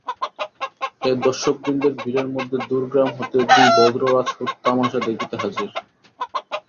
এ দর্শকবৃন্দের ভিড়ের মধ্যে দূর গ্রাম হতে দুই ভদ্র রাজপুত তামাসা দেখতে হাজির।